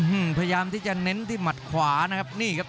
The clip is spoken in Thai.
อืมพยายามที่จะเน้นที่หมัดขวานะครับ